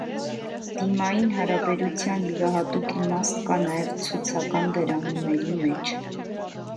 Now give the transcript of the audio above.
Դիմային հարաբերության յուրահատուկ իմաստ կա նաև ցուցական դերանունների մեջ։